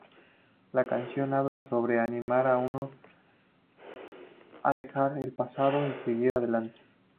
La canción habla sobre animar a uno a dejar el pasado y seguir adelante.